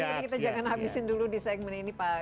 jadi kita jangan habisin dulu di segmen ini pak